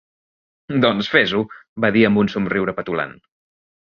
"Doncs fes-ho", va dir amb un somriure petulant.